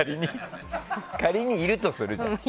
仮にいるとするじゃん。